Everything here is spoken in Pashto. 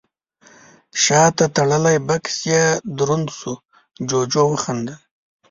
شاته تړلی بکس يې دروند شو، جُوجُو وخندل: